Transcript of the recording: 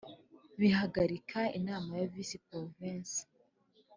bihagarika inama ya Visi Porovensi